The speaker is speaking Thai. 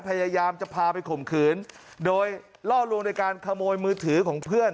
พยายามจะพาไปข่มขืนโดยล่อลวงในการขโมยมือถือของเพื่อน